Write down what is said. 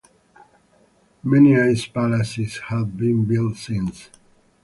Many ice palaces have been built since.